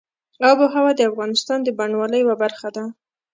آب وهوا د افغانستان د بڼوالۍ یوه برخه ده.